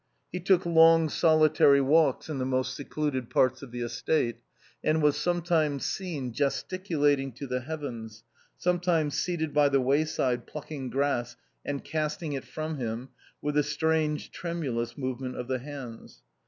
He took long solitary walks in the most secluded parts of the estate, and was sometimes seen gesticulating to the heavens, sometimes seated by the wayside plucking grass and casting it from him with a strange, tremulous movement of the hands.